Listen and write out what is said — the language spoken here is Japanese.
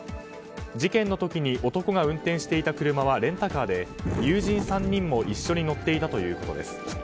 事件の時に男が運転していた車はレンタカーで友人３人も一緒に乗っていたということです。